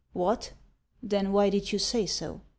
" What ! Then why did you say so